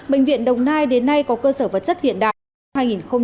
bệnh viện đồng nai đến nay có cơ sở vật chất hiện đại hai nghìn hai mươi một là gần một tỷ đồng